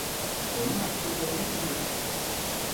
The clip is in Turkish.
Onun hakkında ne biliyoruz?